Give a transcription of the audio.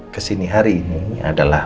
kesini hari ini adalah